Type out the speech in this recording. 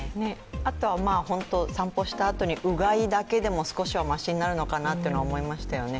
あとは散歩したあとにうがいだけでも少しはましになるのかなと思いましたね。